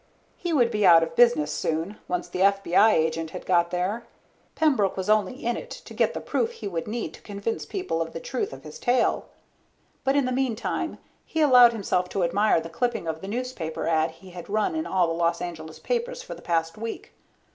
He would be out of business soon, once the FBI agent had got there. Pembroke was only in it to get the proof he would need to convince people of the truth of his tale. But in the meantime he allowed himself to admire the clipping of the newspaper ad he had run in all the Los Angeles papers for the past week.